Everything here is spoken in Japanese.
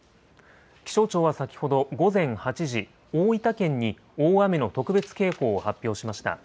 気象庁は先ほど午前８時、大分県に大雨の特別警報を発表しました。